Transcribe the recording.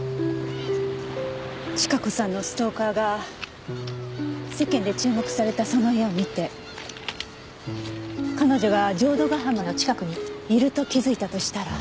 千加子さんのストーカーが世間で注目されたその絵を見て彼女が浄土ヶ浜の近くにいると気付いたとしたら。